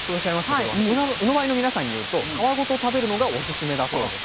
けどうのばいの皆さんによると皮ごと食べるのがおすすめだそうです。